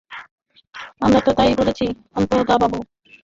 আমরা তো তাই বলিতেছি- অন্নদাবাবু।